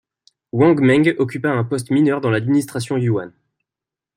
Wang Meng occupa un poste mineur dans l'administration Yuan.